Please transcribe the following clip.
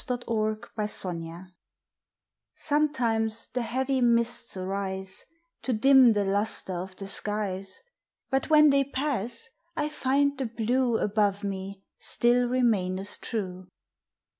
August Fourteenth MIST COMETIMES the heavy mists arise To dim the luster of the skies, But when they pass I find the blue Above me still remaineth true.